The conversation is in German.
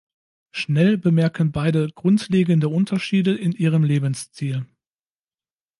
Schnell bemerken beide grundlegende Unterschiede in ihrem Lebensstil.